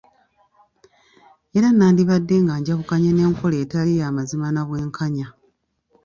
Era nandibadde nga njawukanye n’enkola etali y'amazima na bwenkanya.